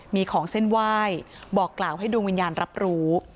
มีของเส้นไหว้บอกกล่าวให้ดวงวิญญาณรับรู้